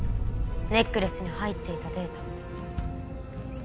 ネックレスに入っていたデータも。